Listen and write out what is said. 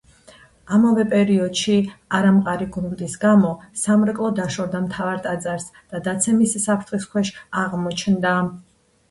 ამავე პერიოდში არამყარი გრუნტის გამო სამრეკლო დაშორდა მთავარ ტაძარს და დაცემის საფრთხის ქვეშ აღმოჩნდა.